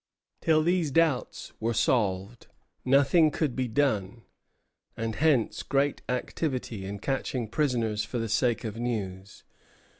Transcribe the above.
Till these doubts were solved, nothing could be done; and hence great activity in catching prisoners for the sake of news.